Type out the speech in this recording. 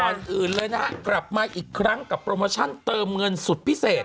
อื่นเลยนะฮะกลับมาอีกครั้งกับโปรโมชั่นเติมเงินสุดพิเศษ